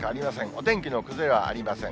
お天気の崩れはありません。